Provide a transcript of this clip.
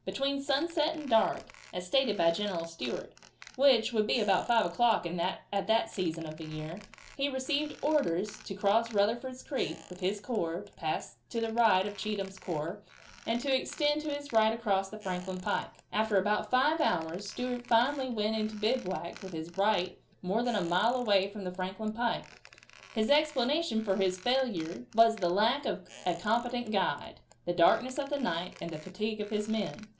Between sunset and dark, as stated by General Stewart, which would be about 5 o'clock at that season of the year, he received orders to cross Rutherford's creek with his corps, to pass to the right of Cheatham's corps, and to extend his right across the Franklin pike. After about five hours Stewart finally went into bivouac with his right more than a mile away from the Franklin pike. His explanations for his failure were the lack of a competent guide, the darkness of the night, and the fatigue of his men.